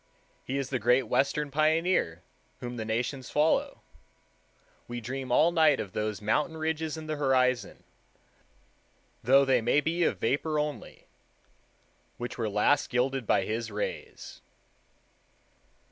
He is the Great Western Pioneer whom the nations follow. We dream all night of those mountain ridges in the horizon, though they may be of vapor only, which were last gilded by his rays.